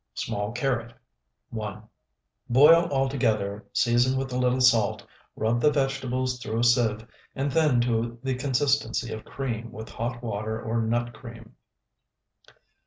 Small carrot, 1. Boil all together, season with a little salt, rub the vegetables through a sieve, and thin to the consistency of cream with hot water or nut cream.